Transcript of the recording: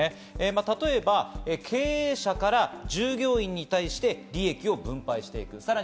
例えば、経営者から従業員に対して利益を分配していく。